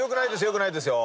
よくないですよ。